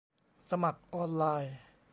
สมัครออนไลน์